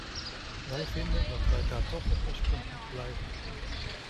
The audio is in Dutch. Wij vinden dat wij daar toch op ons punt moeten blijven.